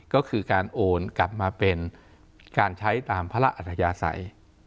ก็คือการโอนกลับมาเป็นการใช้ตามพระราชอัธยาศัย